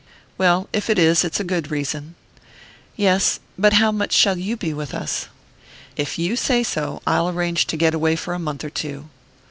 "Well if it is, it's a good reason." "Yes. But how much shall you be with us?" "If you say so, I'll arrange to get away for a month or two."